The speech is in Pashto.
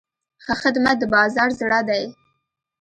ښه خدمت د بازار زړه دی.